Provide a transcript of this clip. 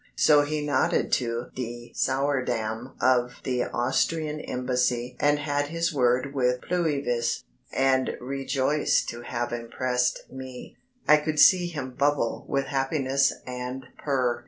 So he nodded to de Sourdam of the Austrian embassy and had his word with Pluyvis, and rejoiced to have impressed me I could see him bubble with happiness and purr.